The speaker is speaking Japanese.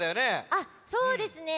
あっそうですね。